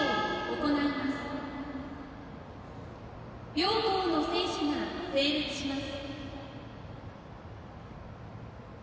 両校の選手が整列します。